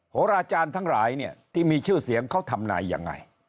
โหราจารย์ทั้งหลายเนี่ยที่มีชื่อเสียงเขาทำนายยังไง